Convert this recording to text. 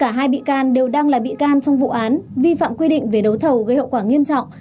cả hai bị can đều đang là bị can trong vụ án vi phạm quy định về đấu thầu gây hậu quả nghiêm trọng